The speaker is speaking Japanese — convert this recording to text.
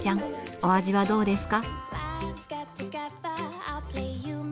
お味はどうですか？